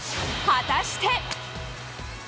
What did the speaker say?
果たして。